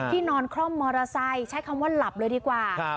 นอนคล่อมมอเตอร์ไซค์ใช้คำว่าหลับเลยดีกว่า